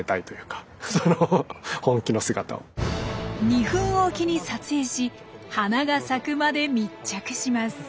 ２分おきに撮影し花が咲くまで密着します。